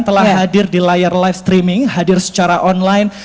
telah hadir di layar live streaming hadir secara online